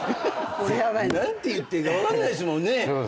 何て言っていいか分かんないっすもんね。